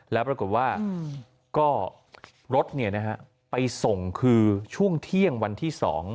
แล้วปรากฏว่าก็รถไปส่งคือช่วงเที่ยงวันที่๒